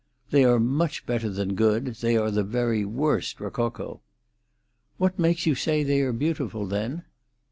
"They are much better than good—they are the very worst rococo." "What makes you say they are beautiful, then?"